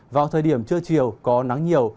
vào thời điểm trưa chiều có nắng nhiều